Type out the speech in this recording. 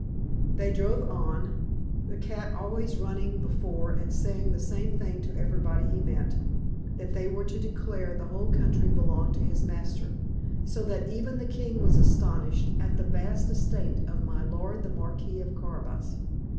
They drove on the cat always running before and saying the same thing to everybody he met, that they were to declare the whole country belonged to his master; so that even the king was astonished at the vast estate of my lord the Marquis of Carabas.